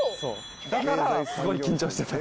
だからすごい緊張してた。